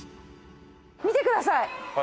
見てください。